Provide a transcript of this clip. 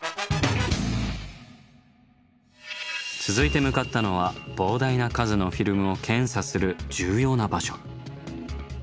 続いて向かったのは膨大な数のフィルムを検査する重要な場所。